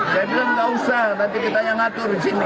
saya bilang nggak usah nanti kita yang ngatur di sini